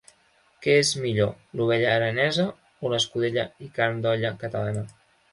Què és millor, l'ovella aranesa o l'escudella i carn d'olla catalana?